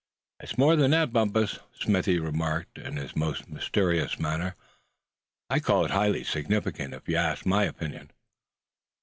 "It's more than that, Bumpus," Smithy remarked, in his most mysterious manner; "I'd call it highly significant, if you asked my opinion."